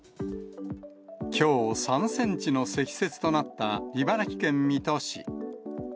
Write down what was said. きょう、３センチの積雪となった茨城県水戸市。